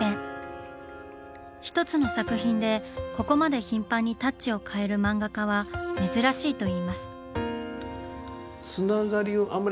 一つの作品でここまで頻繁にタッチを変える漫画家は珍しいといいます。